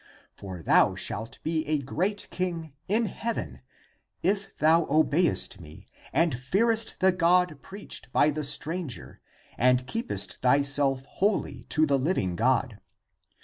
For thou shalt be a great king in heaven, if thou obeyest me and fearest the God preached by the stranger and keepest thyself holy to the living God.